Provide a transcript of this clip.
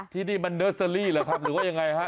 ที่นี่มันเนอร์เซอรี่หรือว่ายังไงหะ